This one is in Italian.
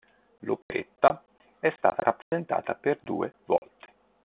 L’operetta è stata rappresentata per due volte.